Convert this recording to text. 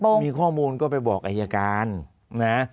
ทำไปมีข้อมูลก็ไปบอกอัยการนะ